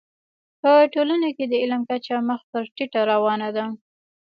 په ټولنه کي د علم کچه مخ پر ټيټه روانه ده.